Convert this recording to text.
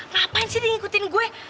ngapain sih ngikutin gue